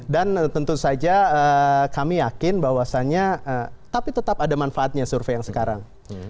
dan tentu saja kami yakin bahwasannya tapi tetap ada manfaatnya survei yang sekarang